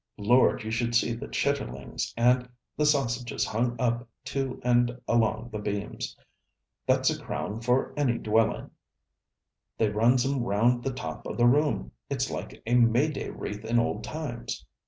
Lord! you should see the chitterlings, and the sausages hung up to and along the beams. That's a crown for any dwellin'! They runs 'em round the top of the room it's like a May day wreath in old times.